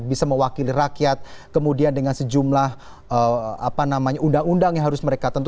bisa mewakili rakyat kemudian dengan sejumlah apa namanya undang undang yang harus mereka tentu